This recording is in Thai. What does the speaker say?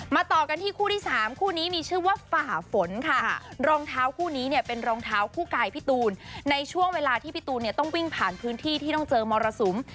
ต่อกันที่คู่ที่๓คู่นี้มีชื่อว่าฝ่าฝนค่ะรองเท้าคู่นี้เนี่ยเป็นรองเท้าคู่กายพี่ตูนในช่วงเวลาที่พี่ตูนเนี่ยต้องวิ่งผ่านพื้นที่ที่ต้องเจอมรสุม